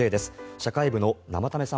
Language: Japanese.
社会部の生田目さん